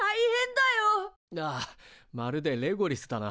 ああまるでレゴリスだな。